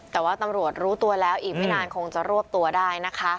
แต่ว่าตำรวจรู้ตัวแล้วอีกไม่นานคงจะรวบตัวได้นะคะ